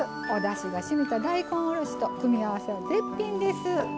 おだしがしみた大根おろしと組み合わせは絶品です。